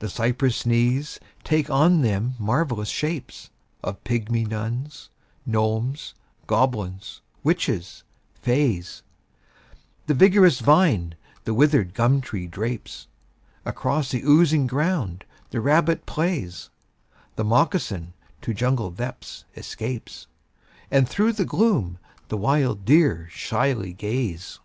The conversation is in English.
The cypress knees take on them marvellous shapes Of pygmy nuns, gnomes, goblins, witches, fays, The vigorous vine the withered gum tree drapes, Across the oozy ground the rabbit plays, The moccasin to jungle depths escapes, And through the gloom the wild deer shyly gaze.